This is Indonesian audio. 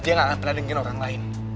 dia gak akan peladengin orang lain